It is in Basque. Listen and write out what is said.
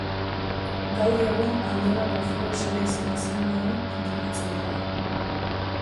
Gaur egun Andorrako futbol selekzio nazionalaren entrenatzailea da.